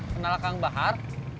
kenal kang bahar